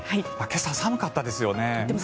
今朝、寒かったですよね。